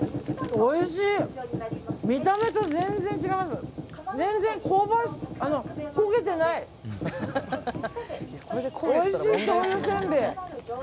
おいしいしょうゆせんべい。